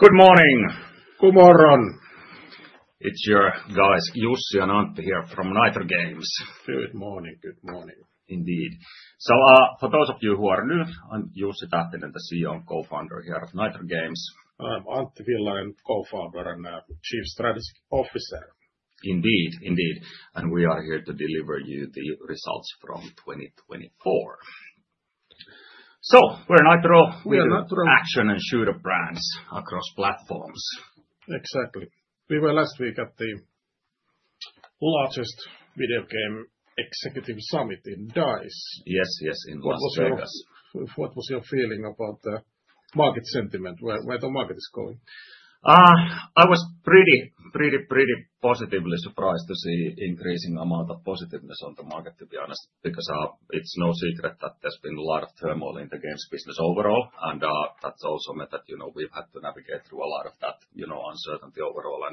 Good morning. Good morning. It's your guys, Jussi and Antti here from Nitro Games. Good morning, good morning. Indeed. For those of you who are new, I'm Jussi Tähtinen, the CEO and co-founder here at Nitro Games. I'm Antti Villanen, co-founder and Chief Strategy Officer. Indeed, indeed. We are here to deliver you the results from 2024. We're Nitro with action and shooter brands across platforms. Exactly. We were last week at the largest video game executive summit in Las Vegas. Yes, yes, in Las Vegas. What was your feeling about the market sentiment? Where the market is going? I was pretty, pretty positively surprised to see an increasing amount of positiveness on the market, to be honest, because it's no secret that there's been a lot of turmoil in the games business overall. That also meant that we've had to navigate through a lot of that uncertainty overall.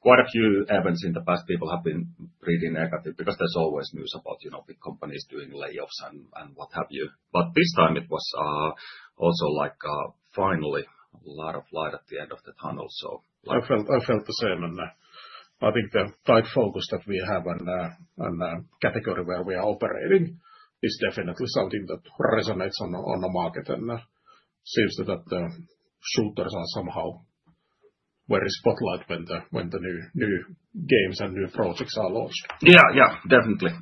Quite a few events in the past, people have been pretty negative because there's always news about big companies doing layoffs and what have you. This time it was also finally a lot of light at the end of the tunnel. I felt the same. I think the tight focus that we have and the category where we are operating is definitely something that resonates on the market. It seems that the shooters are somehow very spotlight when the new games and new projects are launched. Yeah, yeah, definitely.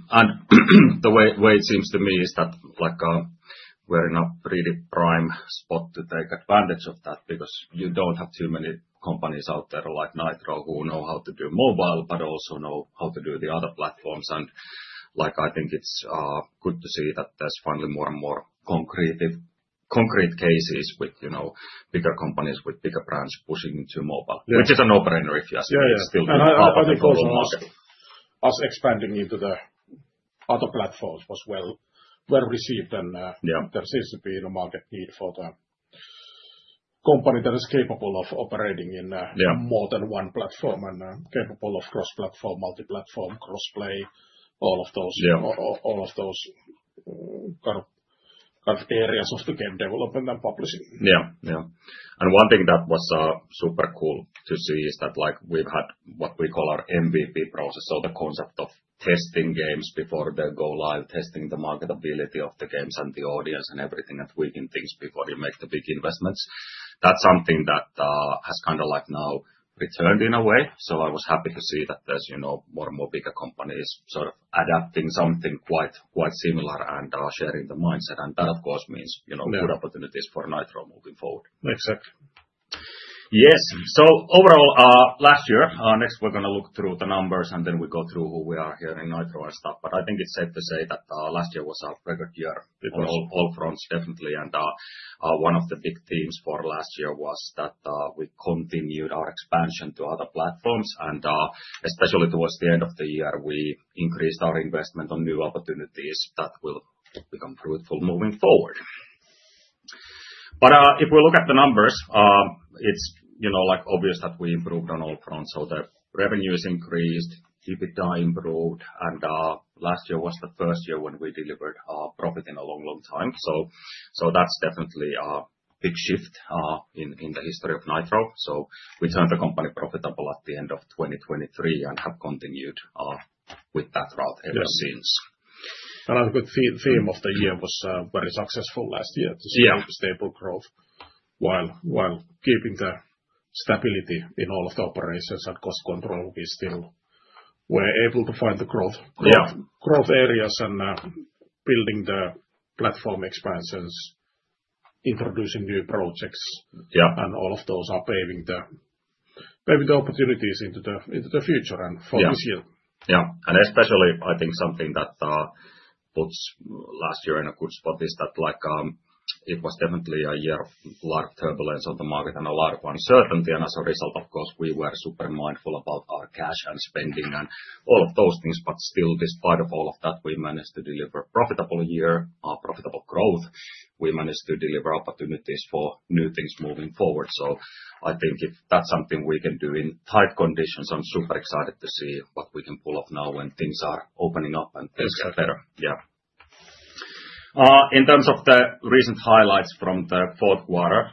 The way it seems to me is that we're in a pretty prime spot to take advantage of that because you don't have too many companies out there like Nitro who know how to do mobile but also know how to do the other platforms. I think it's good to see that there's finally more and more concrete cases with bigger companies with bigger brands pushing into mobile, which is a no-brainer if you ask me. It's still a big market for us. I think also us expanding into the other platforms was well received and there seems to be a market need for the company that is capable of operating in more than one platform and capable of cross-platform, multi-platform, cross-play, all of those kind of areas of the game development and publishing. Yeah, yeah. One thing that was super cool to see is that we've had what we call our MVP process, so the concept of testing games before they go live, testing the marketability of the games and the audience and everything and tweaking things before you make the big investments. That's something that has kind of now returned in a way. I was happy to see that there's more and more bigger companies sort of adapting something quite similar and sharing the mindset. That, of course, means good opportunities for Nitro moving forward. Exactly. Yes. Overall, last year, next we're going to look through the numbers and then we go through who we are here in Nitro and stuff. I think it's safe to say that last year was a record year on all fronts, definitely. One of the big themes for last year was that we continued our expansion to other platforms. Especially towards the end of the year, we increased our investment on new opportunities that will become fruitful moving forward. If we look at the numbers, it's obvious that we improved on all fronts. The revenues increased, EBITDA improved. Last year was the first year when we delivered profit in a long, long time. That's definitely a big shift in the history of Nitro. We turned the company profitable at the end of 2023 and have continued with that route ever since. Another good theme of the year was very successful last year to see stable growth while keeping the stability in all of the operations and cost control. We still were able to find the growth areas and building the platform expansions, introducing new projects, and all of those are paving the opportunities into the future and for this year. Yeah. Especially, I think something that puts last year in a good spot is that it was definitely a year of a lot of turbulence on the market and a lot of uncertainty. As a result, of course, we were super mindful about our cash and spending and all of those things. Still, despite all of that, we managed to deliver a profitable year, profitable growth. We managed to deliver opportunities for new things moving forward. I think if that's something we can do in tight conditions, I'm super excited to see what we can pull off now when things are opening up and things get better. Yeah. In terms of the recent highlights from the fourth quarter,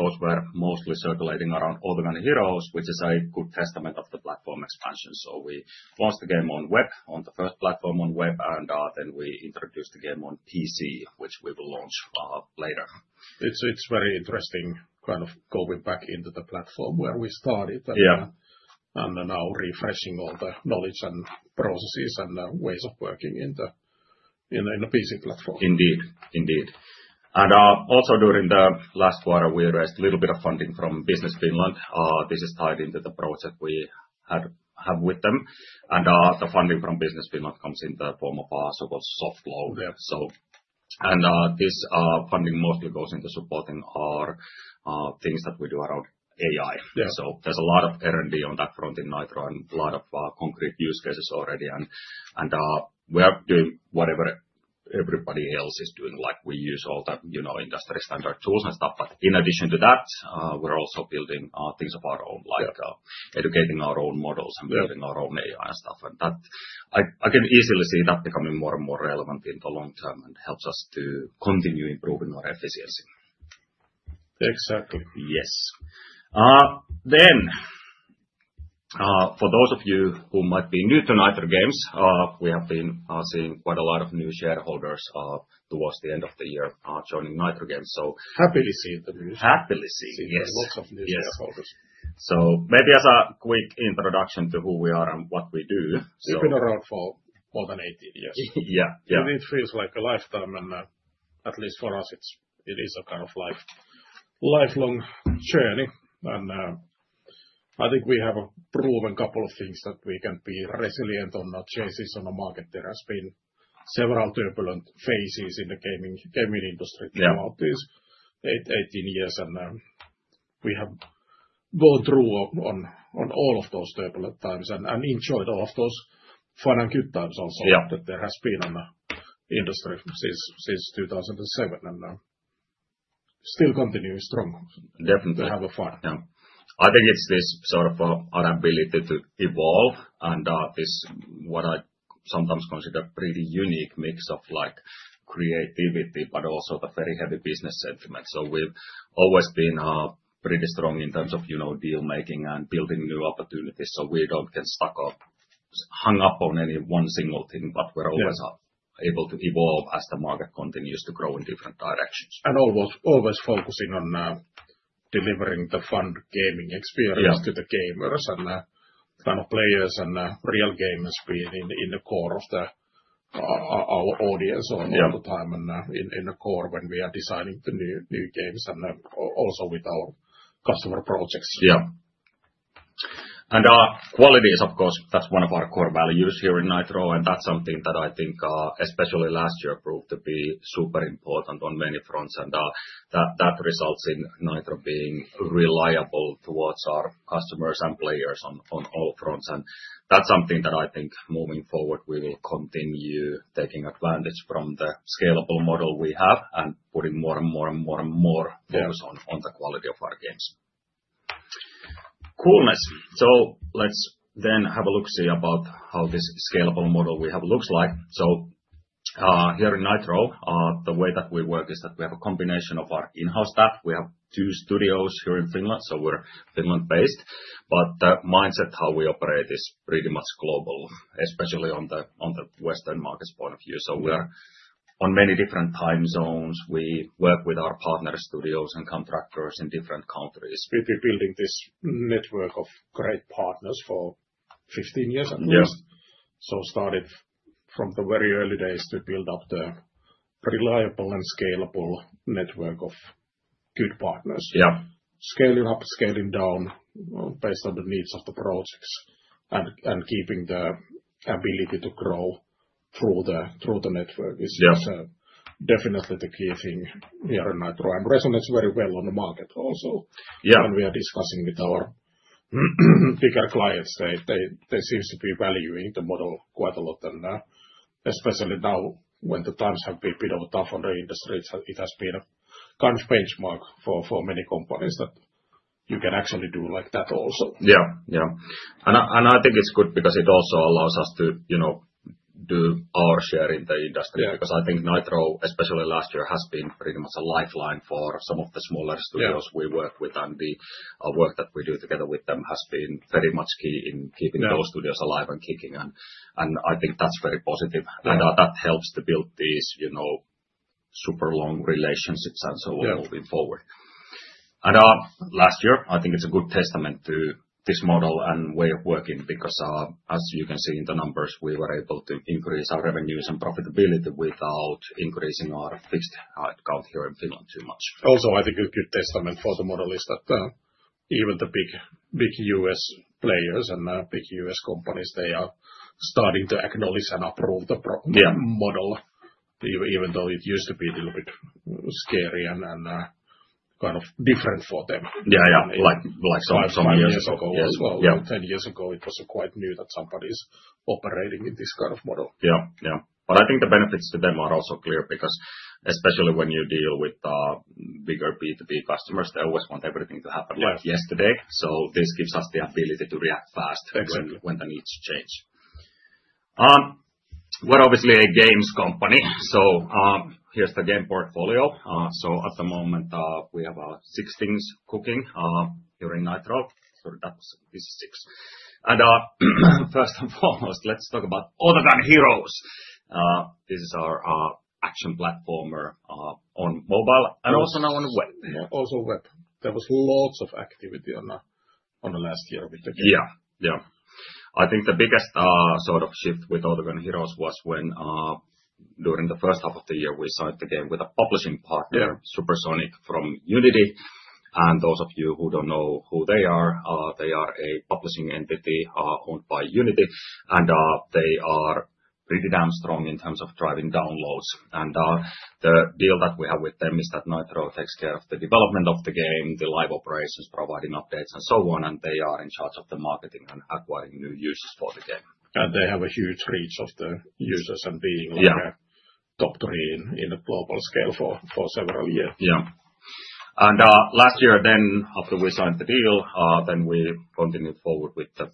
those were mostly circulating around Autogun Heroes, which is a good testament of the platform expansion. We launched the game on web, on the first platform on web, and then we introduced the game on PC, which we will launch later. It's very interesting kind of going back into the platform where we started and now refreshing all the knowledge and processes and ways of working in the PC platform. Indeed, indeed. Also during the last quarter, we raised a little bit of funding from Business Finland. This is tied into the project we have with them. The funding from Business Finland comes in the form of our so-called soft loan. This funding mostly goes into supporting our things that we do around AI. There is a lot of R&D on that front in Nitro and a lot of concrete use cases already. We are doing whatever everybody else is doing. We use all the industry standard tools and stuff. In addition to that, we are also building things of our own, like educating our own models and building our own AI and stuff. I can easily see that becoming more and more relevant in the long term and helps us to continue improving our efficiency. Exactly. Yes. For those of you who might be new to Nitro Games, we have been seeing quite a lot of new shareholders towards the end of the year joining Nitro Games. Happily seeing the new shareholders. Happily seeing, yes. Seeing lots of new shareholders. Maybe as a quick introduction to who we are and what we do. We've been around for more than 80 years. Yeah. It feels like a lifetime. At least for us, it is a kind of lifelong journey. I think we have proven a couple of things that we can be resilient on our chases on the market. There have been several turbulent phases in the gaming industry throughout these 18 years. We have gone through all of those turbulent times and enjoyed all of those fun and good times also that there has been in the industry since 2007 and still continuing strong. Definitely. To have fun. Yeah. I think it's this sort of our ability to evolve and this what I sometimes consider a pretty unique mix of creativity, but also the very heavy business sentiment. We've always been pretty strong in terms of deal-making and building new opportunities. We don't get stuck up, hung up on any one single thing, but we're always able to evolve as the market continues to grow in different directions. I know we are always focusing on delivering the fun gaming experience to the gamers and kind of players and real gamers being in the core of our audience all the time and in the core when we are designing the new games and also with our customer projects. Yeah. Quality is, of course, that's one of our core values here in Nitro. That's something that I think, especially last year, proved to be super important on many fronts. That results in Nitro being reliable towards our customers and players on all fronts. That's something that I think moving forward we will continue taking advantage from the scalable model we have and putting more and more and more and more focus on the quality of our games. Coolness. Let's then have a look, see about how this scalable model we have looks like. Here in Nitro, the way that we work is that we have a combination of our in-house staff. We have two studios here in Finland, so we're Finland-based. The mindset how we operate is pretty much global, especially on the Western market point of view. We are on many different time zones. We work with our partner studios and contractors in different countries. We've been building this network of great partners for 15 years at least. We started from the very early days to build up the reliable and scalable network of good partners. Yeah. Scaling up, scaling down based on the needs of the projects and keeping the ability to grow through the network is definitely the key thing here in Nitro and resonates very well on the market also. Yeah. We are discussing with our bigger clients. They seem to be valuing the model quite a lot. Especially now when the times have been a bit tough on the industry, it has been a kind of benchmark for many companies that you can actually do like that also. Yeah, yeah. I think it's good because it also allows us to do our share in the industry because I think Nitro, especially last year, has been pretty much a lifeline for some of the smaller studios we work with. The work that we do together with them has been very much key in keeping those studios alive and kicking. I think that's very positive. That helps to build these super long relationships and so on moving forward. Last year, I think it's a good testament to this model and way of working because, as you can see in the numbers, we were able to increase our revenues and profitability without increasing our fixed headcount here in Finland too much. Also, I think a good testament for the model is that even the big U.S. players and big U.S. companies, they are starting to acknowledge and approve the model, even though it used to be a little bit scary and kind of different for them. Yeah, yeah, like some years ago. 10 years ago as well. 10 years ago, it was quite new that somebody is operating in this kind of model. Yeah, yeah. I think the benefits to them are also clear because especially when you deal with bigger B2B customers, they always want everything to happen like yesterday. This gives us the ability to react fast when the needs change. We're obviously a games company. Here's the game portfolio. At the moment, we have six things cooking here in Nitro. That is six. First and foremost, let's talk about Autogun Heroes. This is our action platformer on mobile and also now on web. Also web. There was lots of activity on the last year with the game. Yeah, yeah. I think the biggest sort of shift with Autogun Heroes was when during the first half of the year, we signed the game with a publishing partner, Supersonic from Unity. Those of you who do not know who they are, they are a publishing entity owned by Unity. They are pretty damn strong in terms of driving downloads. The deal that we have with them is that Nitro takes care of the development of the game, the live operations, providing updates and so on. They are in charge of the marketing and acquiring new users for the game. They have a huge reach of the users and are like a top three in the global scale for several years. Yeah. Last year, after we signed the deal, we continued forward with the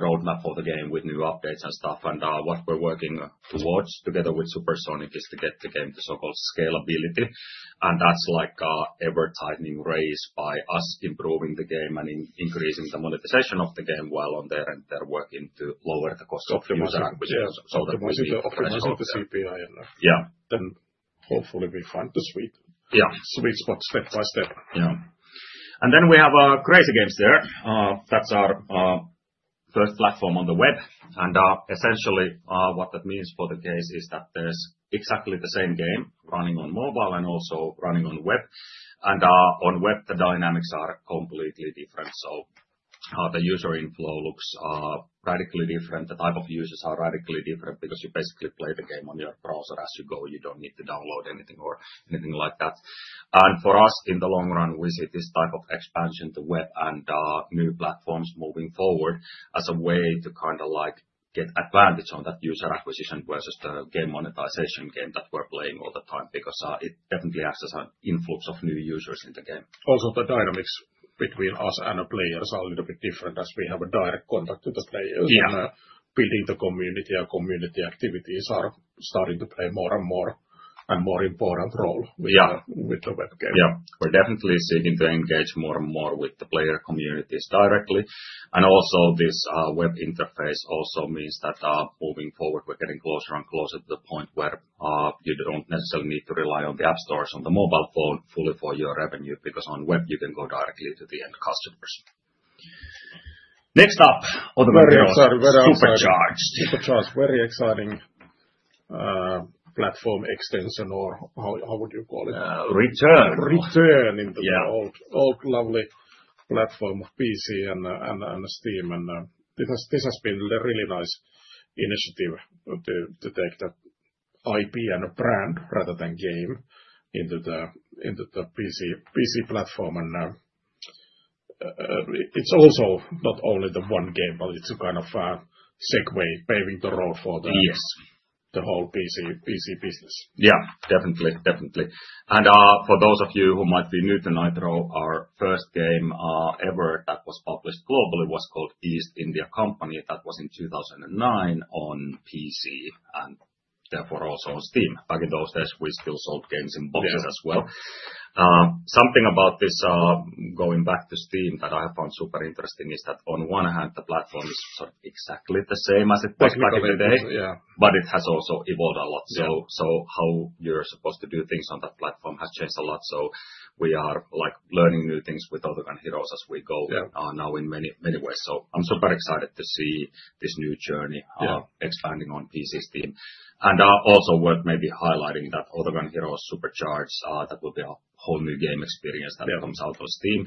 roadmap for the game with new updates and stuff. What we're working towards together with Supersonic is to get the game to so-called scalability. That's like an ever-tightening race by us improving the game and increasing the monetization of the game while on their end, they're working to lower the cost of the user acquisition. We need to optimize the CPI and that. Yeah. Hopefully we find the sweet spot step by step. Yeah. We have Crazy Games there. That's our first platform on the web. Essentially what that means for the case is that there's exactly the same game running on mobile and also running on web. On web, the dynamics are completely different. The user inflow looks radically different. The type of users are radically different because you basically play the game on your browser as you go. You don't need to download anything or anything like that. For us, in the long run, we see this type of expansion to web and new platforms moving forward as a way to kind of like get advantage on that user acquisition versus the game monetization game that we're playing all the time because it definitely acts as an influx of new users in the game. Also, the dynamics between us and the players are a little bit different as we have a direct contact with the players. Yeah. Building the community and community activities are starting to play more and more and more important role with the web game. Yeah. We're definitely seeking to engage more and more with the player communities directly. Also, this web interface also means that moving forward, we're getting closer and closer to the point where you don't necessarily need to rely on the app stores on the mobile phone fully for your revenue because on web, you can go directly to the end customers. Next up, Autogun Heroes. Very exciting. Supercharged. Supercharged. Very exciting platform extension or how would you call it? Return. Return into the old lovely platform of PC and Steam. This has been a really nice initiative to take the IP and the brand rather than game into the PC platform. It is also not only the one game, but it is a kind of segway, paving the road for the whole PC business. Yeah, definitely, definitely. For those of you who might be new to Nitro Games, our first game ever that was published globally was called East India Company. That was in 2009 on PC and therefore also on Steam. Back in those days, we still sold games in boxes as well. Something about this going back to Steam that I have found super interesting is that on one hand, the platform is sort of exactly the same as it was back in the day, but it has also evolved a lot. How you're supposed to do things on that platform has changed a lot. We are learning new things with Autogun Heroes as we go now in many ways. I am super excited to see this new journey expanding on PC Steam. Also worth maybe highlighting that Autogun Heroes Supercharged, that will be a whole new game experience that comes out on Steam.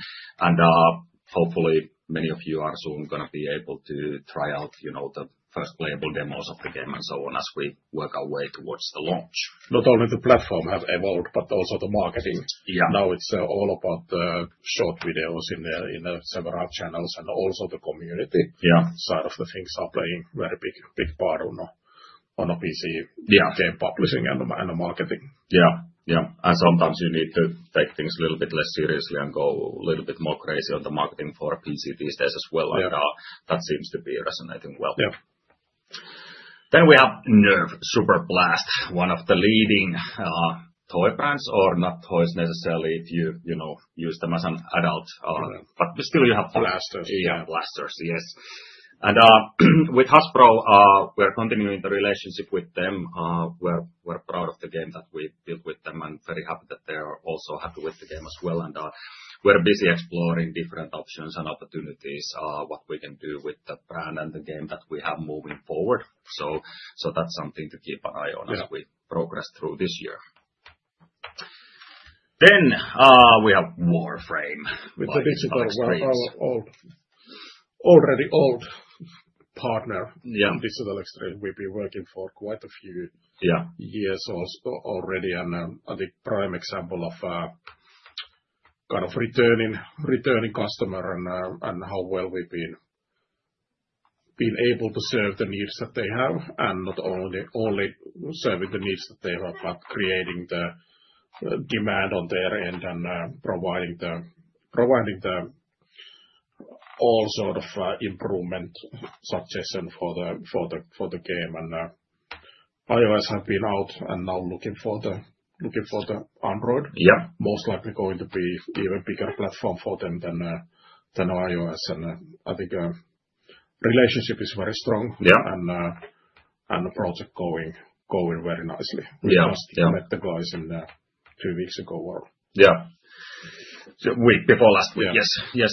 Hopefully, many of you are soon going to be able to try out the first playable demos of the game and so on as we work our way towards the launch. Not only the platform has evolved, but also the marketing. Yeah. Now it's all about the short videos in several channels and also the community side of the things are playing a very big part on a PC game publishing and the marketing. Yeah, yeah. Sometimes you need to take things a little bit less seriously and go a little bit more crazy on the marketing for PC these days as well. That seems to be resonating well. Yeah. We have Nerf Superblast, one of the leading toy brands or not toys necessarily if you use them as an adult, but still you have toys. Blasters. Yeah, blasters, yes. With Hasbro, we're continuing the relationship with them. We're proud of the game that we built with them and very happy that they are also happy with the game as well. We're busy exploring different options and opportunities, what we can do with the brand and the game that we have moving forward. That is something to keep an eye on as we progress through this year. We have Warframe. It's a digital Warframe. Already old partner and Digital Extremes we've been working for quite a few years already. I think prime example of kind of returning customer and how well we've been able to serve the needs that they have and not only serving the needs that they have, but creating the demand on their end and providing the all sort of improvement suggestion for the game. iOS has been out and now looking for the Android. Most likely going to be even bigger platform for them than iOS. I think the relationship is very strong and the project going very nicely. We just met the guys two weeks ago or. Yeah. Week before last week, yes. Yes.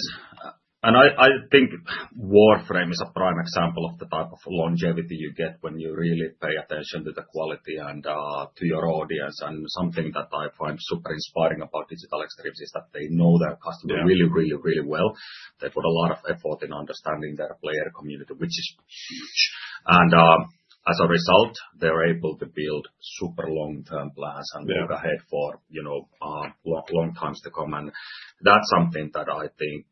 I think Warframe is a prime example of the type of longevity you get when you really pay attention to the quality and to your audience. Something that I find super inspiring about Digital Extremes is that they know their customer really, really, really well. They put a lot of effort in understanding their player community, which is huge. As a result, they're able to build super long-term plans and look ahead for long times to come. That's something that I think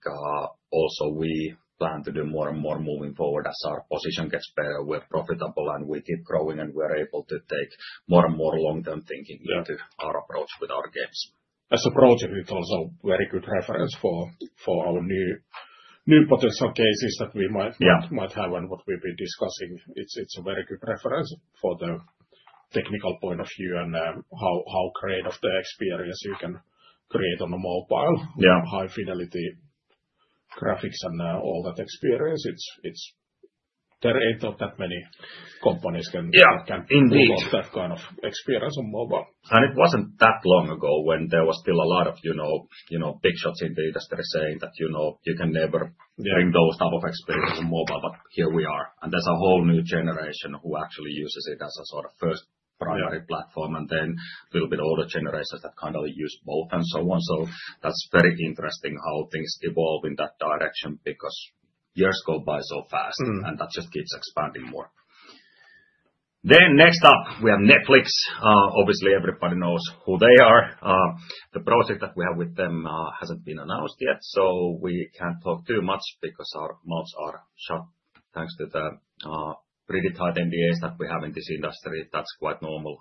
also we plan to do more and more moving forward as our position gets better, we're profitable and we keep growing and we're able to take more and more long-term thinking into our approach with our games. As a project, it's also a very good reference for our new potential cases that we might have and what we've been discussing. It's a very good reference for the technical point of view and how great of the experience you can create on a mobile. High fidelity graphics and all that experience. There ain't that many companies can do that kind of experience on mobile. It was not that long ago when there were still a lot of big shots in the industry saying that you can never bring those type of experiences on mobile, but here we are. There is a whole new generation who actually uses it as a sort of first primary platform and then a little bit older generations that kind of use both and so on. That is very interesting how things evolve in that direction because years go by so fast and that just keeps expanding more. Next up, we have Netflix. Obviously, everybody knows who they are. The project that we have with them has not been announced yet, so we cannot talk too much because our mouths are shut thanks to the pretty tight NDAs that we have in this industry. That is quite normal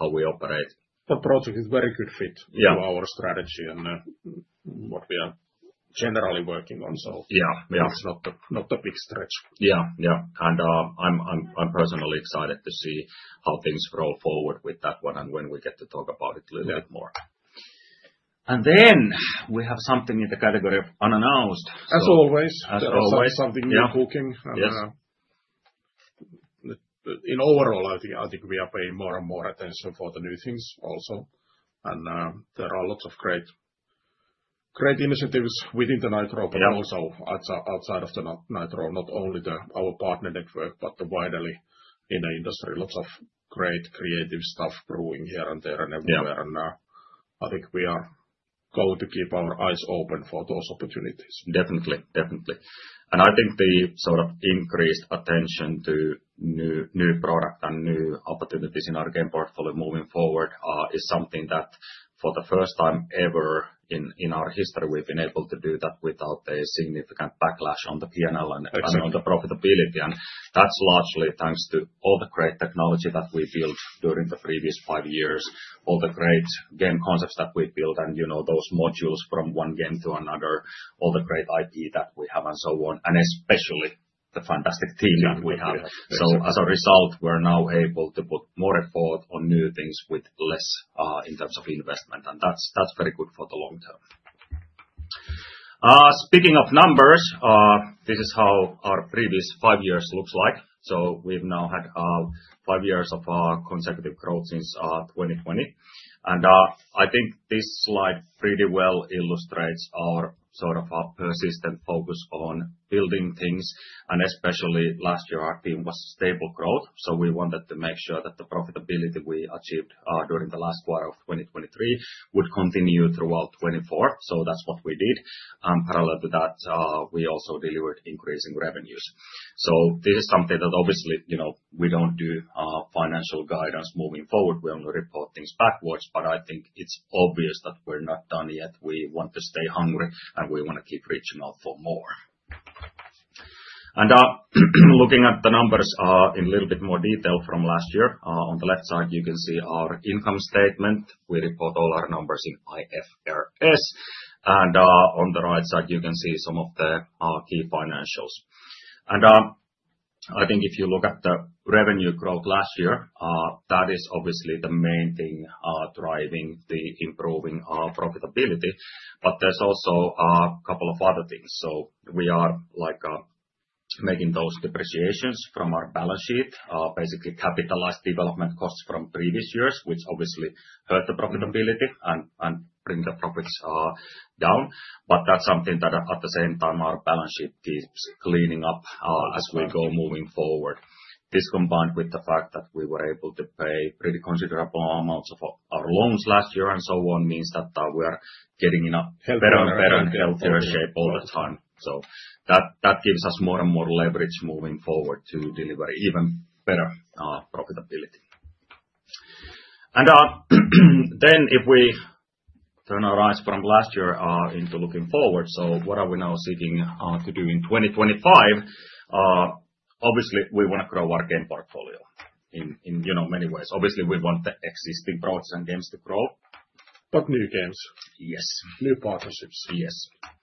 how we operate. The project is a very good fit to our strategy and what we are generally working on, so it's not a big stretch. Yeah, yeah. I'm personally excited to see how things roll forward with that one and when we get to talk about it a little bit more. We have something in the category of unannounced. As always. As always. Something new cooking. Yes. Overall, I think we are paying more and more attention for the new things also. There are lots of great initiatives within Nitro, but also outside of Nitro, not only our partner network, but widely in the industry. Lots of great creative stuff brewing here and there and everywhere. I think we are going to keep our eyes open for those opportunities. Definitely, definitely. I think the sort of increased attention to new product and new opportunities in our game portfolio moving forward is something that for the first time ever in our history, we've been able to do that without a significant backlash on the P&L and on the profitability. That's largely thanks to all the great technology that we built during the previous five years, all the great game concepts that we built, and those modules from one game to another, all the great IP that we have and so on, and especially the fantastic team that we have. As a result, we're now able to put more effort on new things with less in terms of investment. That's very good for the long term. Speaking of numbers, this is how our previous five years looks like. We've now had five years of consecutive growth since 2020. I think this slide pretty well illustrates our sort of persistent focus on building things. Especially last year, our team was stable growth. We wanted to make sure that the profitability we achieved during the last quarter of 2023 would continue throughout 2024. That's what we did. In parallel to that, we also delivered increasing revenues. This is something that obviously we don't do financial guidance moving forward. We only report things backwards, but I think it's obvious that we're not done yet. We want to stay hungry and we want to keep reaching out for more. Looking at the numbers in a little bit more detail from last year, on the left side, you can see our income statement. We report all our numbers in IFRS. On the right side, you can see some of the key financials. I think if you look at the revenue growth last year, that is obviously the main thing driving the improving profitability. There are also a couple of other things. We are making those depreciations from our balance sheet, basically capitalized development costs from previous years, which obviously hurt the profitability and bring the profits down. That is something that at the same time, our balance sheet keeps cleaning up as we go moving forward. This combined with the fact that we were able to pay pretty considerable amounts of our loans last year and so on means that we are getting in a better and better and healthier shape all the time. That gives us more and more leverage moving forward to deliver even better profitability. If we turn our eyes from last year into looking forward, what are we now seeking to do in 2025? Obviously, we want to grow our game portfolio in many ways. Obviously, we want the existing products and games to grow. New games. Yes. New partnerships. Yes.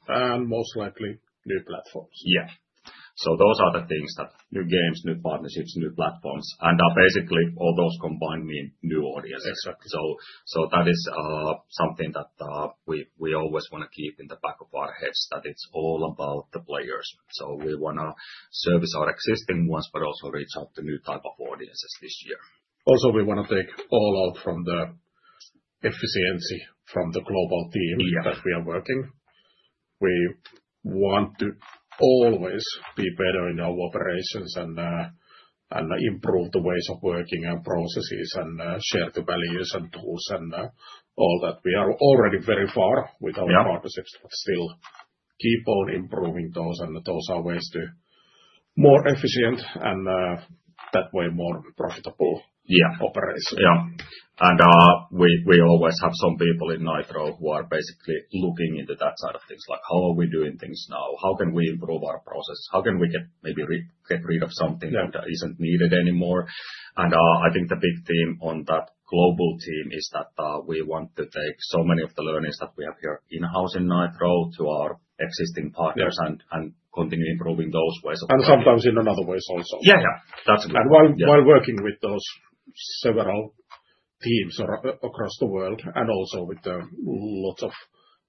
And most likely new platforms. Yeah. Those are the things that new games, new partnerships, new platforms. Basically, all those combined mean new audiences. Exactly. That is something that we always want to keep in the back of our heads, that it's all about the players. We want to service our existing ones, but also reach out to new type of audiences this year. Also, we want to take all out from the efficiency from the global team that we are working. We want to always be better in our operations and improve the ways of working and processes and share the values and tools and all that. We are already very far with our partnerships, but still keep on improving those. Those are ways to be more efficient and that way more profitable operations. Yeah. Yeah. We always have some people in Nitro who are basically looking into that side of things. Like how are we doing things now? How can we improve our processes? How can we maybe get rid of something that isn't needed anymore? I think the big theme on that global team is that we want to take so many of the learnings that we have here in-house in Nitro to our existing partners and continue improving those ways of working. Sometimes in other ways also. Yeah, yeah. That's good. While working with those several teams across the world and also with lots of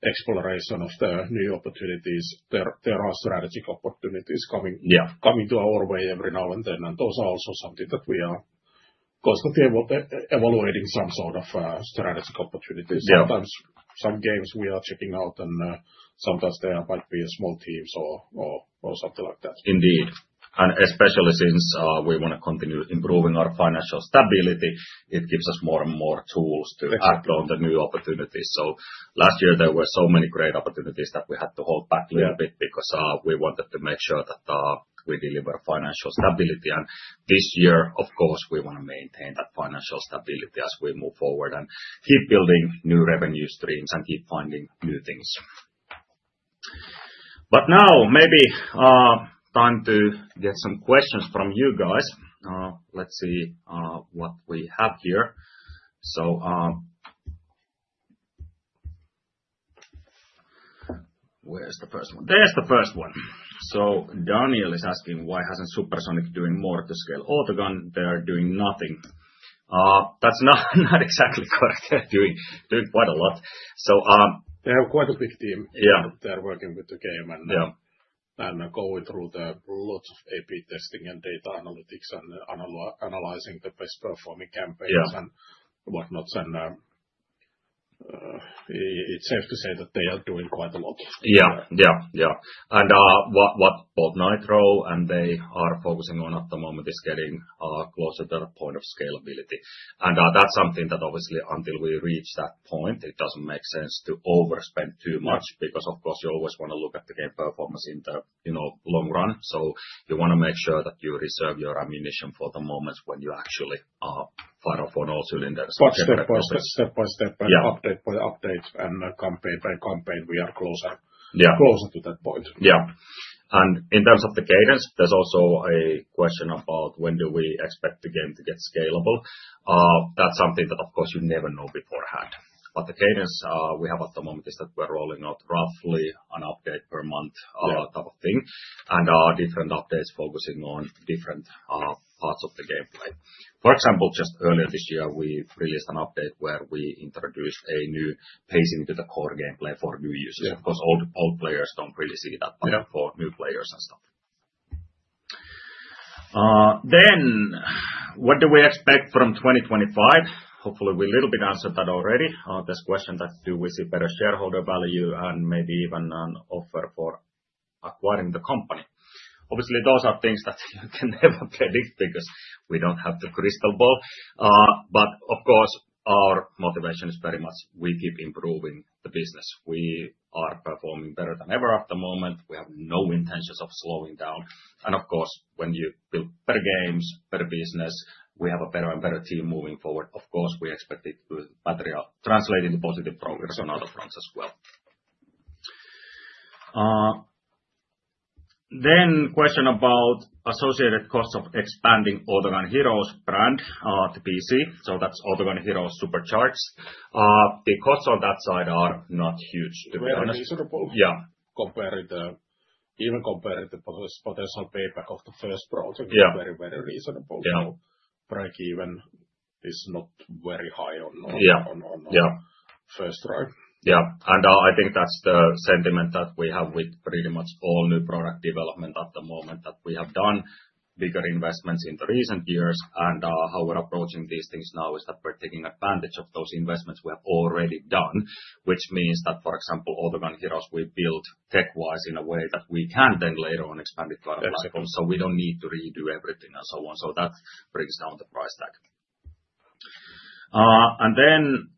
exploration of the new opportunities, there are strategic opportunities coming to our way every now and then. Those are also something that we are constantly evaluating, some sort of strategic opportunities. Sometimes some games we are checking out and sometimes there might be a small team or something like that. Indeed. Especially since we want to continue improving our financial stability, it gives us more and more tools to grow the new opportunities. Last year, there were so many great opportunities that we had to hold back a little bit because we wanted to make sure that we deliver financial stability. This year, of course, we want to maintain that financial stability as we move forward and keep building new revenue streams and keep finding new things. Now maybe time to get some questions from you guys. Let's see what we have here. Where's the first one? There's the first one. Daniel is asking, why hasn't Supersonic been doing more to scale Autogun? They're doing nothing. That's not exactly correct. They're doing quite a lot. They have quite a big team. They're working with the game and going through lots of A/B testing and data analytics and analyzing the best-performing campaigns and whatnot. It's safe to say that they are doing quite a lot. Yeah, yeah, yeah. What Nitro Games is focusing on at the moment is getting closer to the point of scalability. That is something that obviously until we reach that point, it does not make sense to overspend too much because of course you always want to look at the game performance in the long run. You want to make sure that you reserve your ammunition for the moments when you actually fire off on all cylinders. Step by step. Step by step and update by update and campaign by campaign, we are closer to that point. Yeah. In terms of the cadence, there's also a question about when do we expect the game to get scalable. That's something that of course you never know beforehand. The cadence we have at the moment is that we're rolling out roughly an update per month type of thing and different updates focusing on different parts of the gameplay. For example, just earlier this year, we released an update where we introduced a new pacing to the core gameplay for new users. Of course, old players do not really see that, but for new players and stuff. What do we expect from 2025? Hopefully, we a little bit answered that already. There's a question that do we see better shareholder value and maybe even an offer for acquiring the company. Obviously, those are things that you can never predict because we do not have the crystal ball. Of course, our motivation is very much we keep improving the business. We are performing better than ever at the moment. We have no intentions of slowing down. Of course, when you build better games, better business, we have a better and better team moving forward. Of course, we expect it to translate into positive progress on other fronts as well. There was a question about associated costs of expanding Autogun Heroes brand to PC. That is Autogun Heroes Supercharged. The costs on that side are not huge. Very reasonable. Yeah. Even compared to the potential payback of the first project, it's very, very reasonable. Break even is not very high on first try. Yeah. I think that's the sentiment that we have with pretty much all new product development at the moment that we have done bigger investments in the recent years. How we're approaching these things now is that we're taking advantage of those investments we have already done, which means that, for example, Autogun Heroes, we build tech-wise in a way that we can then later on expand it to other platforms. We don't need to redo everything and so on. That brings down the price tag. Then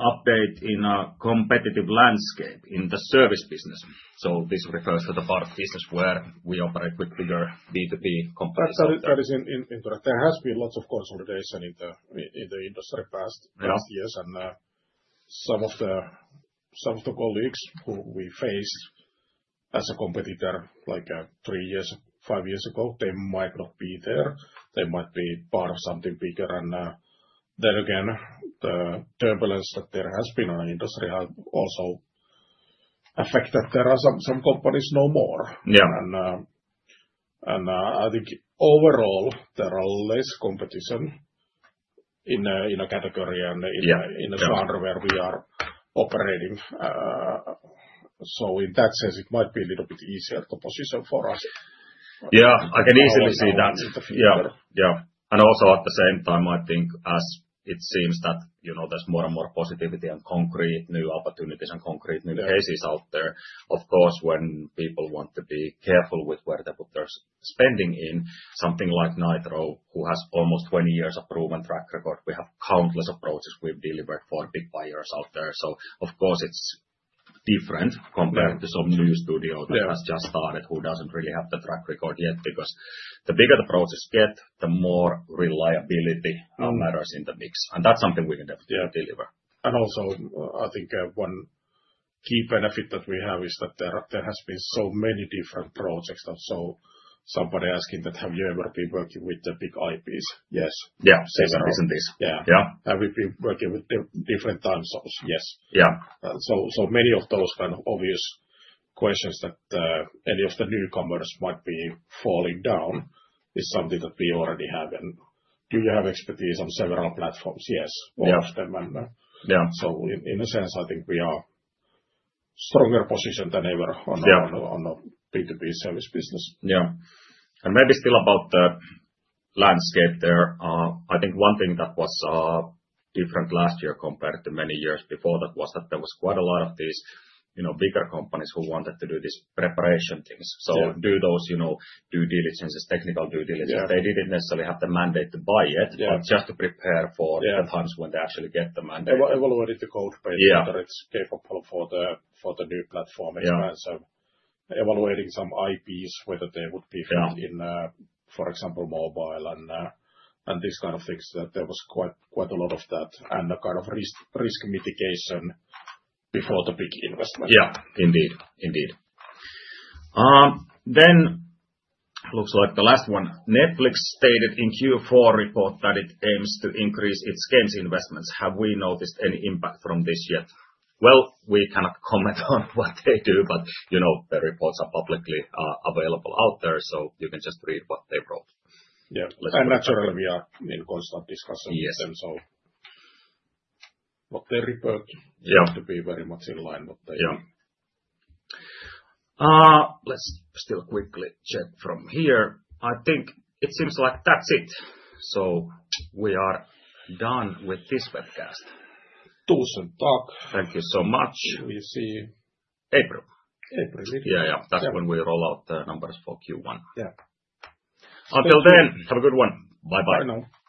update in a competitive landscape in the service business. This refers to the part of business where we operate with bigger B2B companies. That is incorrect. There has been lots of consolidation in the industry past years. Some of the colleagues who we faced as a competitor like three years, five years ago, they might not be there. They might be part of something bigger. The turbulence that there has been in the industry has also affected that there are some companies no more. I think overall, there are less competition in a category and in a genre where we are operating. In that sense, it might be a little bit easier to position for us. Yeah, I can easily see that. Yeah, yeah. Also at the same time, I think as it seems that there's more and more positivity and concrete new opportunities and concrete new cases out there. Of course, when people want to be careful with where they put their spending in, something like Nitro, who has almost 20 years of proven track record, we have countless approaches we've delivered for big players out there. Of course, it's different compared to some new studio that has just started who doesn't really have the track record yet because the bigger the approaches get, the more reliability matters in the mix. That's something we can definitely deliver. I think one key benefit that we have is that there has been so many different projects. Somebody asking that, have you ever been working with the big IPs? Yes. Yeah, seven reasons. Yeah. Have you been working with different time zones? Yes. Yeah. So many of those kind of obvious questions that any of the newcomers might be falling down is something that we already have. Do you have expertise on several platforms? Yes, most of them. In a sense, I think we are in a stronger position than ever on the B2B service business. Yeah. Maybe still about the landscape there. I think one thing that was different last year compared to many years before that was that there was quite a lot of these bigger companies who wanted to do these preparation things. Do those due diligences, technical due diligences. They did not necessarily have the mandate to buy it, but just to prepare for the times when they actually get the mandate. Evaluating the code base that it's capable for the new platform. Evaluating some IPs, whether they would be held in, for example, mobile and these kind of things. There was quite a lot of that and the kind of risk mitigation before the big investment. Yeah, indeed, indeed. Looks like the last one. Netflix stated in Q4 report that it aims to increase its games investments. Have we noticed any impact from this yet? We cannot comment on what they do, but the reports are publicly available out there, so you can just read what they wrote. Yeah. Naturally, we are in constant discussion with them. What they report seems to be very much in line with what they wrote. Yeah. Let's still quickly check from here. I think it seems like that's it. We are done with this webcast. Tusen tack. Thank you so much. We see April. April, indeed. Yeah, yeah. That's when we roll out the numbers for Q1. Yeah. Until then, have a good one. Bye-bye. Bye now.